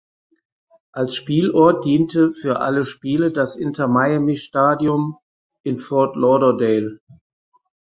Als Spielort diente für alle Spiele das Inter Miami Stadium in Fort Lauderdale.